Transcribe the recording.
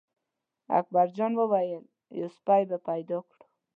اکبر جان وویل: یو سپی به پیدا کړو.